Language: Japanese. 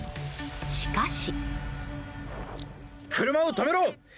しかし。